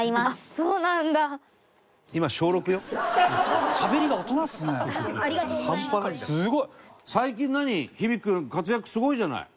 すごいな！